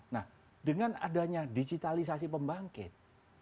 nah dengan adanya digitalisasi pembangkit